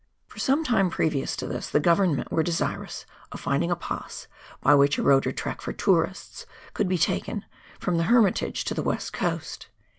For some time previous to this, the Government were desir ous of finding a pass, by which a road or track for tourists could be taken, from the Hermitage to the West Coast.